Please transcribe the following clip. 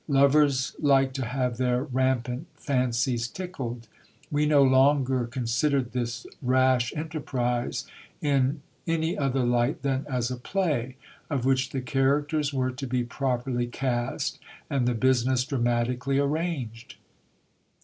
Lovers like to have their rampant fancies tickled. We no longer considered this rash enterprise in any other light than as a play, of which the GIL BLAS. characters were to be properly cast, and the business dramatically arranged.